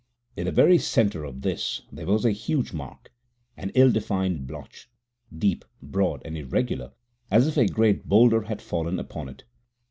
In the very centre of this there was a huge mark an ill defined blotch, deep, broad and irregular, as if a great boulder had fallen upon it.